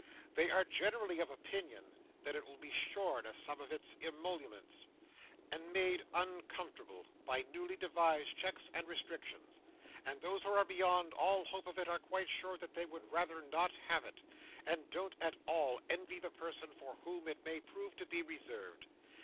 They are generally of opinion that it will be shorn of some of its emoluments, and made uncomfortable by newly devised checks and restrictions; and those who are beyond all hope of it are quite sure they would rather not have it, and don't at all envy the person for whom it may prove to be reserved.